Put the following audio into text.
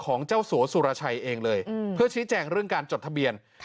ของเจ้าสัวสุรชัยเองเลยเพื่อชี้แจงเรื่องการจดทะเบียน